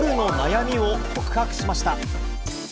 夜の悩みを告白しました。